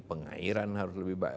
pengairan harus lebih baik